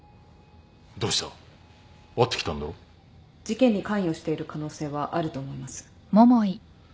事件に関与している可能性はあると思います。